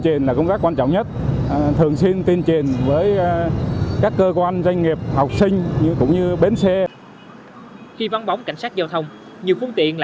khi vắng bóng cảnh sát giao thông nhiều phương tiện lại phát triển